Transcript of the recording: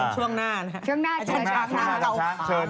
โอเคอยู่ช่วงหน้า